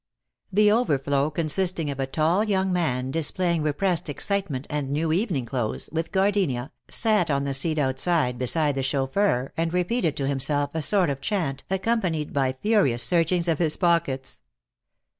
The overflow, consisting of a tall young man, displaying repressed excitement and new evening clothes, with gardenia, sat on the seat outside beside the chauffeur and repeated to himself a sort of chant accompanied by furious searchings of his pockets.